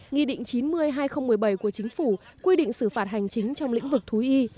nghị định chín mươi hai nghìn một mươi bảy của chính phủ quy định xử phạt hành chính trong lĩnh vực thú y